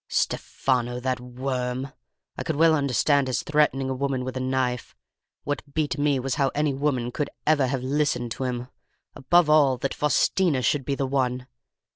Stefano! That worm! I could well understand his threatening a woman with a knife; what beat me was how any woman could ever have listened to him; above all, that Faustina should be the one!